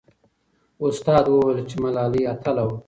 استاد وویل چې ملالۍ اتله وه.